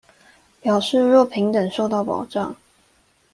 表示若平等受到保障